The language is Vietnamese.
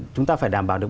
chúng ta phải đảm bảo được